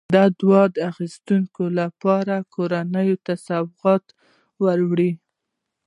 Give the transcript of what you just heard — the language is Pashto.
د دعا د اخیستلو لپاره کورونو ته سوغاتونه وروړي.